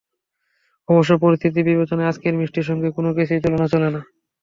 অবশ্য পরিস্থিতি বিবেচনায় আজকের ম্যাচটির সঙ্গে কোনো কিছুরই তুলনা চলে না।